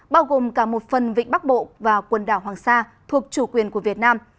bao gồm cả một phần vịnh bắc bộ và quần đảo hoàng sa thuộc chủ quyền của việt nam